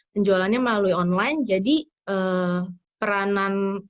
penjualannya melalui online jadi peranan social media influencer bisa kira kira tidak sekedar mesej juga jika